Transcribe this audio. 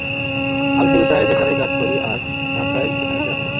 আমি শুধু চাই, যেখানেই কাজ করি আমার নামটাই সেখানে সেরা থাকুক।